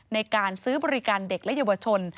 ในการซื้อบริการเด็กและเยาวชน